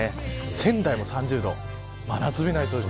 仙台も３０度で真夏日の予想です。